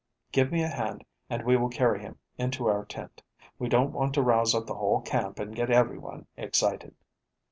Give me a hand and we will carry him into our tent. We don't want to rouse up the whole camp and get every one excited."